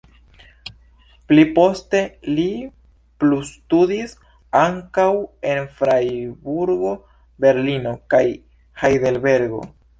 Pli poste li plustudis ankaŭ en Frajburgo, Berlino kaj Hajdelbergo.